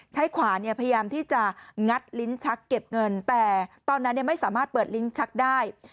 ขวานพยายามที่จะงัดลิ้นชักเก็บเงินแต่ตอนนั้นไม่สามารถเปิดลิ้นชักได้